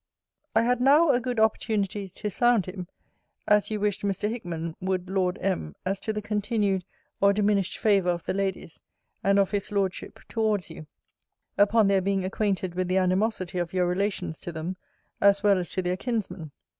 I had now a good opportunity to sound him, as you wished Mr. Hickman would Lord M. as to the continued or diminished favour of the ladies, and of his Lordship, towards you, upon their being acquainted with the animosity of your relations to them, as well as to their kinsman.